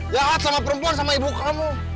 jahat sama perempuan sama ibu kamu